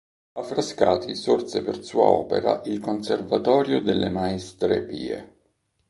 A Frascati sorse per sua opera il "Conservatorio delle Maestre Pie".